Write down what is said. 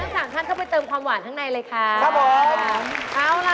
สามท่านเข้าไปเติมความหวานข้างในเลยครับครับผมเอาล่ะ